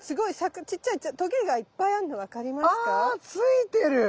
あついてる。